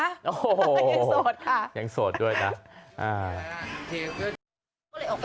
โอ้โหยังโสดค่ะ